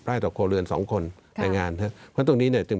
๑๐ไร่เท่าขอเรือน๒คนแต่งานเพราะฉะนั้นตรงนี้จึงมีวิธีสึกว่า